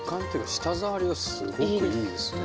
舌触りがすごくいいですね。